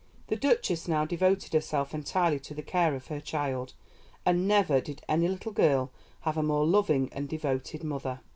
The Duchess now devoted herself entirely to the care of her child, and never did any little girl have a more loving and devoted mother.